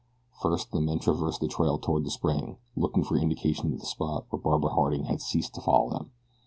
First the men traversed the trail toward the spring, looking for indications of the spot where Barbara Harding had ceased to follow them.